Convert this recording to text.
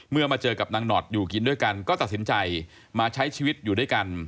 มาเจอกับนางหนอดอยู่กินด้วยกันก็ตัดสินใจมาใช้ชีวิตอยู่ด้วยกัน